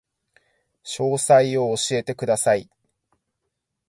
詳細を教えてください